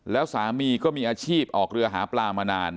แล้วสามีก็มีอาชีพออกเรือหาปลามานาน